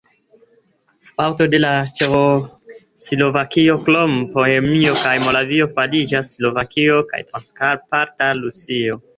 Parto de Ĉeĥoslovakio krom Bohemio kaj Moravio fariĝas Slovakio kaj Transkarpata Rusio.